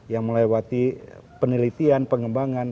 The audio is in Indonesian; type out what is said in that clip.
yang melewati penelitian pengembangan